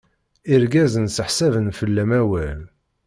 Irgazen seḥsaben fell-am awal.